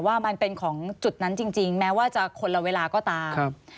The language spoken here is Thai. ว่ามันเป็นของจุดนั้นจริงแม้ว่าจะคนละเวลาก็ตาม